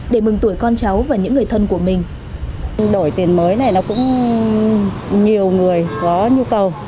để mừng tuổi con cháu và những người thân của mình